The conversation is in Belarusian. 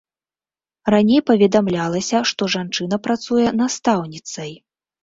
Раней паведамлялася, што жанчына працуе настаўніцай.